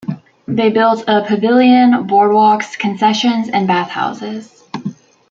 They built a pavilion, boardwalks, concessions and bath houses.